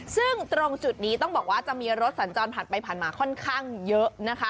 ซึ่งตรงจุดนี้ต้องบอกว่าจะมีรถสัญจรผ่านไปผ่านมาค่อนข้างเยอะนะคะ